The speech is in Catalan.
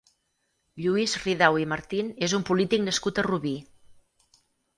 Lluís Ridao i Martín és un polític nascut a Rubí.